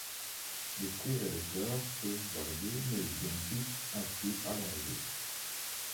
Les fruits et les fleurs peuvent varier mais ils donnent tous un fruit allongé.